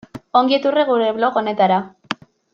Ongi etorri gure blog honetara.